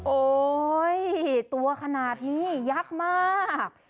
โอ๊ยตัวขนาดนี้ยักษ์มาก